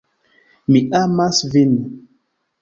Mi amas vin.